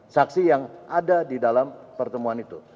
saksi yang ada di dalam pertemuan itu